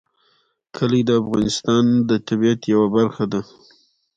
کلي د افغانستان د طبیعت یوه برخه ده.